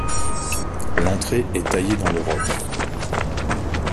L'entrée est taillée dans le roc.